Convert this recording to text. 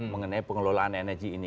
mengenai pengelolaan energi ini